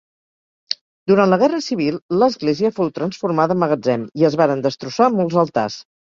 Durant la Guerra Civil, l'església fou transformada en magatzem i es varen destrossar molts altars.